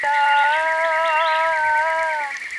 موږ د ښکلا خالقین یو.